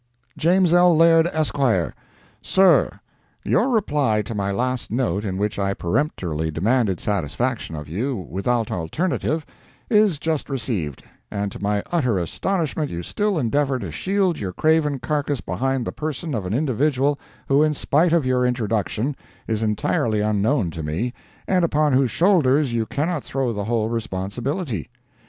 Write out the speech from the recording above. JAMES L. LAIRD, ESQ.—Sir: Your reply to my last note in which I peremptorily demanded satisfaction of you, without alternative—is just received, and to my utter astonishment you still endeavor to shield your craven carcass behind the person of an individual who in spite of your introduction is entirely unknown to me, and upon whose shoulders you cannot throw the whole responsibility.